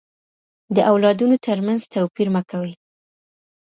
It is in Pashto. د اولادونو تر منځ توپير مه کوئ.